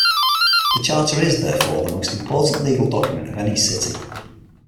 The charter is, therefore, the most important legal document of any city.